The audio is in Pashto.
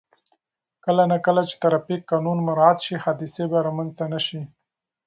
کله نا کله چې ترافیک قانون مراعت شي، حادثې به رامنځته نه شي.